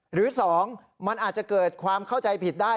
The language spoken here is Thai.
หรือ๒มันอาจจะเกิดความเข้าใจผิดได้